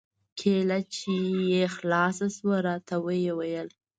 کېله چې يې خلاصه سوه راته ويې ويل.